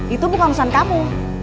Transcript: itu bukan usaha kamu